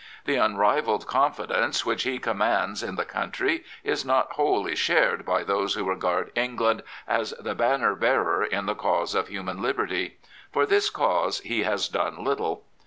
The unrivalled confidence which he commands in 77 Prophets, Priests, and Kings the country is not wholly shared by those who regard England as the banner bearer in the cause of human liberty. For this cause he has done little.